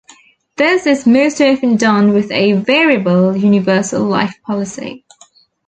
This is most often done with a Variable universal life policy.